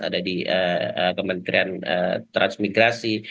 ada di kementerian transmigrasi